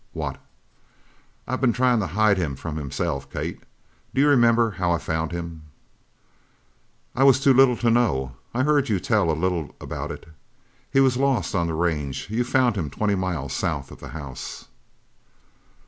"What?" "I've been tryin' to hide him from himself! Kate, do you remember how I found him?" "I was too little to know. I've heard you tell a little about it. He was lost on the range. You found him twenty miles south of the house."